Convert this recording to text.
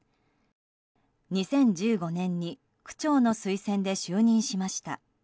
２０１５年に区長の推薦で就任しました。